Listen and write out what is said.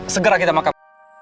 segera kita makan